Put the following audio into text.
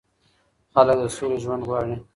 خلګ د سولې ژوند غواړي